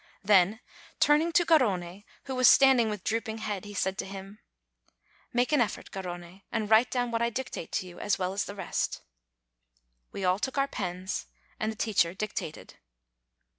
Then turning to Garrone, who was standing with drooping head, he said to him: "Make an effort, Garrone, and write down what I dictate to you as well as the rest." We all took our pens, and the teacher dictated.